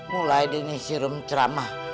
mulai deh nishirum ceramah